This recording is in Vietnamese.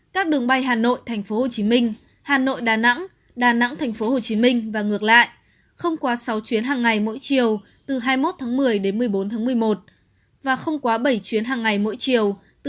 các đường bay hà nội tp hcm hà nội đà nẵng đà nẵng tp hcm và ngược lại không qua sáu chuyến hàng ngày mỗi chiều từ hai mươi một một mươi một mươi bốn một mươi một và không qua bảy chuyến hàng ngày mỗi chiều từ một mươi năm một mươi một ba mươi một mươi một